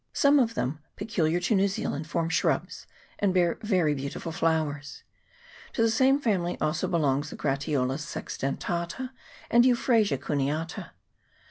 Some of them, peculiar to New Zealand, form shrubs, and bear very beautiful flowers. To the same family also belong the Gratiola sexdentata and Euphrasia cuneata.